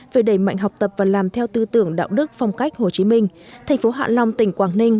về đẩy mạnh học tập và làm theo tư tưởng đạo đức phong cách hồ chí minh thành phố hạ long tỉnh quảng ninh